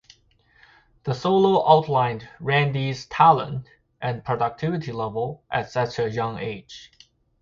The solo outlined Randy's talent and productivity level at such a young age.